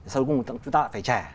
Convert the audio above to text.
sau đó chúng ta lại phải trả